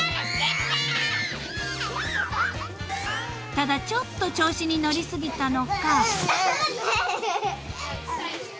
［ただちょっと調子に乗り過ぎたのか］